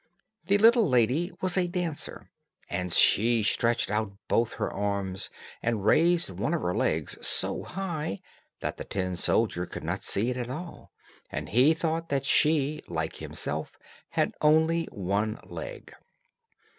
The little lady was a dancer, and she stretched out both her arms, and raised one of her legs so high, that the tin soldier could not see it at all, and he thought that she, like himself, had only one leg.